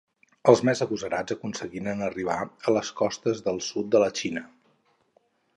Els més agosarats aconseguiren arribar a les costes del sud de la Xina.